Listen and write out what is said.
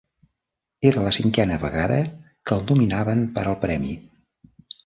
Era la cinquena vegada que el nominaven per al premi.